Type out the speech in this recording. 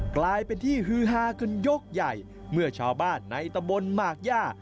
กลายเป็นที่ฮือฮากันยกใหญ่เมื่อชาวบ้านในตะบนหมากย่า